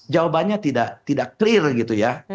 jawabannya tidak clear gitu ya